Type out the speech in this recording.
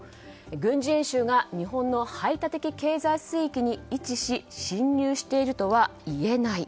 軍事演習が日本の排他的経済水域に位置し侵入しているとはいえない。